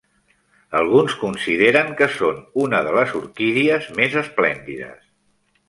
Alguns consideren que són una de les orquídies més esplèndides.